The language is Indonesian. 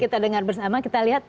kita dengar bersama kita lihat